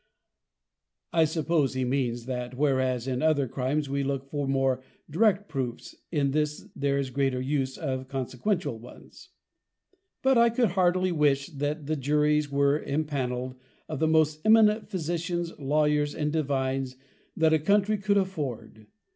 [_I suppose he means, that whereas in other Crimes we look for more direct proofs, in this there is a greater use of consequential ones._] But I could heartily wish, that the Juries were empanell'd of the most eminent Physicians, Lawyers, and Divines that a Country could afford.